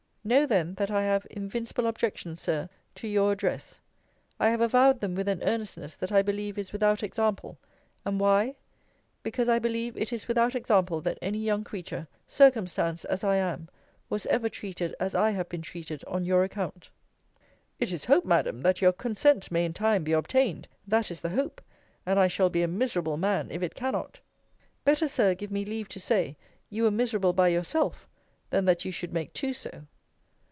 Know then, that I have invincible objections, Sir, to your address. I have avowed them with an earnestness that I believe is without example: and why? because I believe it is without example that any young creature, circumstanced as I am, was ever treated as I have been treated on your account. It is hoped, Madam, that your consent may in time be obtained that is the hope; and I shall be a miserable man if it cannot. Better, Sir, give me leave to say, you were miserable by yourself, than that you should make two so.